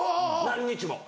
何日も。